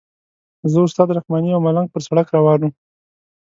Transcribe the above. زه استاد رحماني او ملنګ پر سړک روان وو.